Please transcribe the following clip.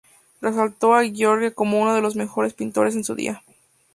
Resaltó a Giorgione como uno de los mejores pintores en su día.